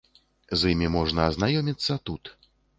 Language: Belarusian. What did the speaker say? З ім можна азнаёміцца тут.